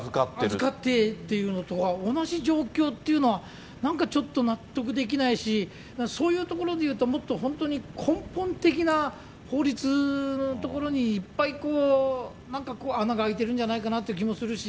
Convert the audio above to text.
預かっていうのと同じ状況っていうのは、なんかちょっと納得できないし、そういうところでいうと、もっと本当に、根本的な法律のところにいっぱいなんかこう、穴が開いてるんじゃないかなっていう気もするし。